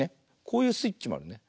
こういうスイッチもあるね。